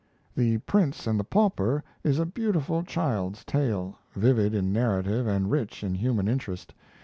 'The Prince and the Pauper' is a beautiful child's tale, vivid in narrative and rich in human interest.